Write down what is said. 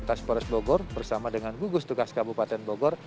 lantas polres bogor bersama dengan gugus tugas kabupaten bogor